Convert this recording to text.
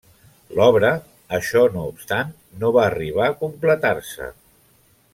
L'obra, això no obstant, no va arribar a completar-se.